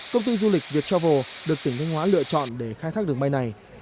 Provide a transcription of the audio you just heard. công ty du lịch viettravel được tỉnh thanh hóa lựa chọn để khai thác đường bay này